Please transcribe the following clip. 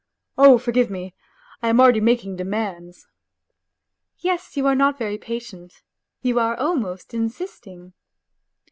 " Oh, forgive me, I am already making demands. ..."" Yes, you are not very patient ... you are almost insisting."